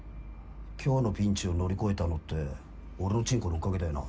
今日のピンチを乗り越えたのって俺のチンコのおかげだよな。